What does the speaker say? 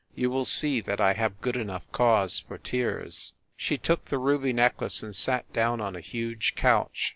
You will see that I have good enough cause for tears." She took the ruby necklace and sat down on a huge couch.